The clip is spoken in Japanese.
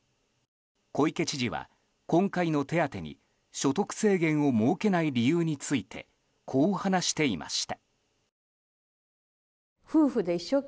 小池知事は今回の手当てに所得制限を設けない理由についてこう話していました。